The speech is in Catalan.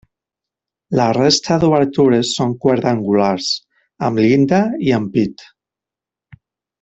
La resta d'obertures són quadrangulars, amb llinda i ampit.